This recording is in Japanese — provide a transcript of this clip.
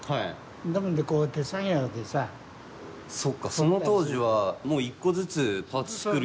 そっかその当時はもう一個ずつパーツ作るような。